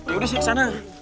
yaudah saya ke sana